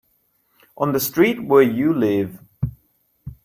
On the street where you live.